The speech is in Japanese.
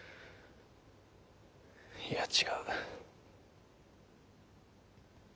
いや違う。